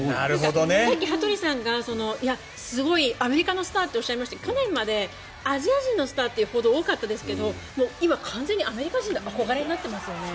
さっき羽鳥さんがいや、すごいアメリカのスターっておっしゃいましたけど去年までアジア人のスターというほど多かったですがもう今、完全にアメリカ人の憧れになってますよね。